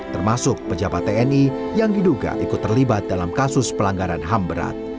termasuk pejabat tni yang diduga ikut terlibat dalam kasus pelanggaran ham berat